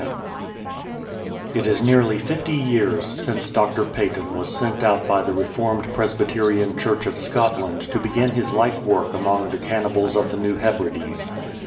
3*3 FIRST NIGHT ON TANNA It is nearly fifty years since Dr. Paton was sent out by the Reformed Presbyterian Church of Scotland to begin his life work among the cannibals of the New Hebrides.